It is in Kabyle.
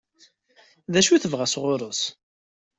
D acu i tebɣa sɣur-s?